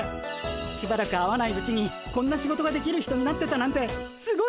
しばらく会わないうちにこんな仕事ができる人になってたなんてすごいっ！